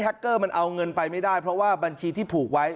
เกอร์มันเอาเงินไปไม่ได้เพราะว่าบัญชีที่ผูกไว้